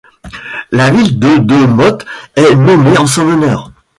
La ville de De Motte est nommée en son honneur.